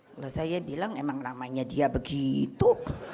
kalau saya bilang emang namanya dia begitu